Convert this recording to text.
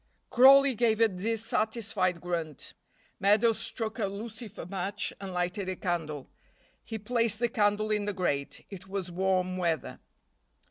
Crawley gave a dissatisfied grunt. Meadows struck a lucifer match and lighted a candle. He placed the candle in the grate it was warm weather.